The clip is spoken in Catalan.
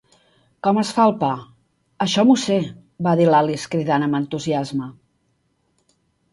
Com es fa el pa? "Això m'ho sé", va dir l'Alice cridant amb entusiasme.